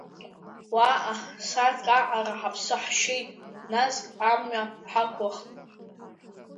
Уаҟа сааҭк аҟара ҳаԥсы ҳшьеит, нас амҩа ҳақәлахт.